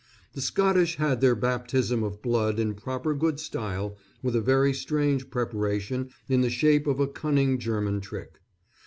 The Scottish had their baptism of blood in proper good style, with a very strange preparation in the shape of a cunning German trick.